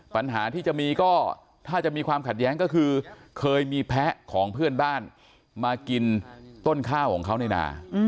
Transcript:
ปัญหาที่จะมีก็ถ้าจะมีความขัดแย้งก็คือเคยมีแพ้ของเพื่อนบ้านมากินต้นข้าวของเขาในนา